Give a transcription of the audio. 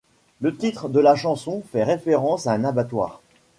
Le titre de la chanson fait référence à un abattoir.